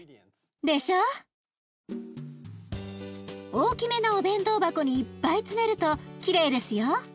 大きめのお弁当箱にいっぱい詰めるときれいですよ。